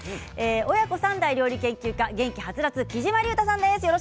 親子３代料理研究家元気はつらつきじまりゅうたさんです。